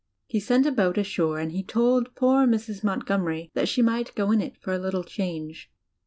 He sent a boat ashore, and he told poor Mrs. Montgomery that she might go in it for a little change.